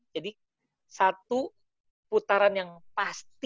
jadi satu putaran yang pasti